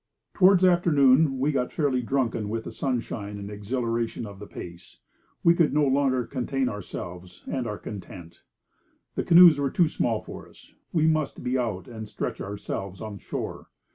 Towards afternoon we got fairly drunken with the sunshine and the exhilaration of the pace. We could no longer contain ourselves and our content. The canoes were too small for us; we must be out and stretch ourselves on shore.